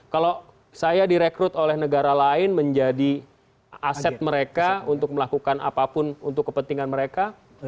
kalau saya direkrut oleh negara lain menjadi aset mereka untuk melakukan apapun untuk kepentingan mereka